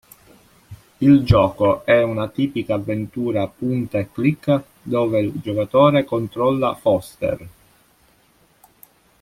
Il gioco è una tipica avventura punta e clicca, dove il giocatore controlla Foster.